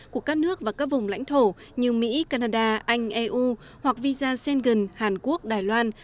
của các nước và các vùng lãnh thổ như mỹ canada anh eu hoặc visa sengen hàn quốc đài loan